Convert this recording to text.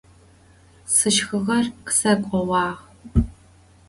Сшхыгъэр къысэгоуагъ.